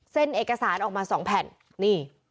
เอกสารออกมา๒แผ่นนี่